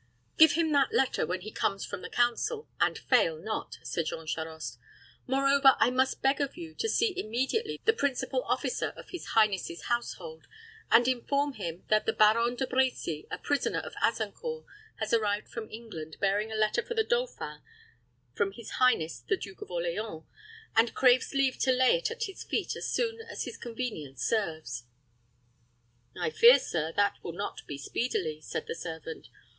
"Give him that letter when he comes from the council, and fail not," said Jean Charost. "Moreover, I must beg of you to see immediately the principal officer of his highness's household, and inform him that the Baron De Brecy, a prisoner of Azincourt, has arrived from England, bearing a letter for the dauphin from his highness the Duke of Orleans, and craves leave to lay it at his feet as soon as his convenience serves." "I fear, sir, that will not be speedily," said the servant.